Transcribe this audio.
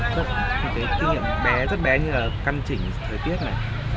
tất cả những kinh nghiệm bé rất bé như là căn chỉnh thời tiết này